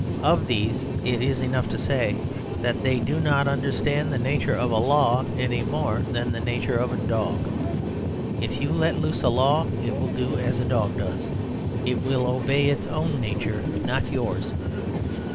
Of these it is enough to say that they do not understand the nature of a law any more than the nature of a dog. If you let loose a law, it will do as a dog does. It will obey its own nature, not yours.